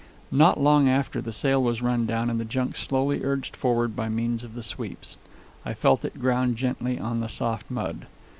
Not long after, the sail was run down and the junk slowly urged forward by means of the sweeps. I felt it ground gently on the soft mud.